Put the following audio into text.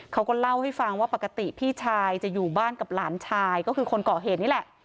เขาก็เล่าให้ฟังว่าปกติพี่ชายจะอยู่บ้านกับหลานชายก็คือคนก่อเหตุนี่แหละ